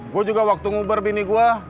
gue juga waktu ngubar bini gue